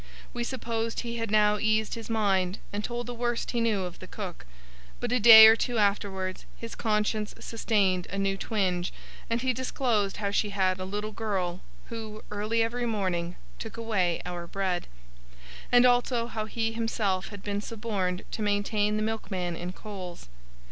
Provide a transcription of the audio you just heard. We supposed he had now eased his mind, and told the worst he knew of the cook; but, a day or two afterwards, his conscience sustained a new twinge, and he disclosed how she had a little girl, who, early every morning, took away our bread; and also how he himself had been suborned to maintain the milkman in coals.